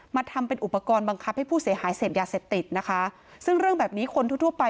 ทำเป็นอุปกรณ์บังคับให้ผู้เสียหายเสพยาเสพติดนะคะซึ่งเรื่องแบบนี้คนทั่วทั่วไป